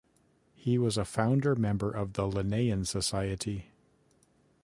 He was a founder member of the Linnean Society.